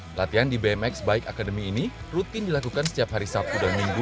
pelatihan di bmx bike academy ini rutin dilakukan setiap hari sabtu dan minggu